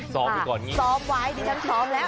ซอมไว้นี่เดี๋ยวผมซอมแล้ว